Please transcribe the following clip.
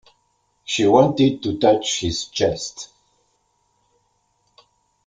She wanted to touch his chest.